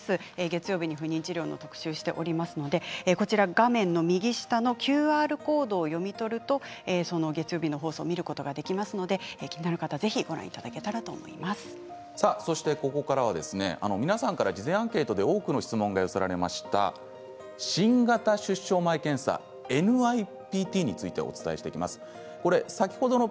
月曜日に不妊治療の特集をしておりますので画面の右下のＱＲコードを読み取ると月曜日の放送を見ることができますので気になる方はここからは皆さんから事前アンケートで多くの質問が寄せられました新型出生前検査・ＮＩＰＴについてお伝えしていきます。